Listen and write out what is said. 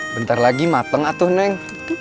bentar lagi mateng atau neng